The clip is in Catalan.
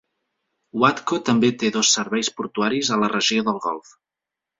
Watco també té dos serveis portuaris a la regió del Golf.